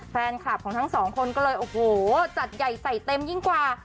แฟนคลับของทั้งสองคนก็เลยโอ้โหจัดใหญ่ใส่เต็มยิ่งกว่า